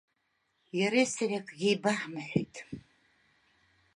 Иареи сареи акгьы еибаҳамҳәеит.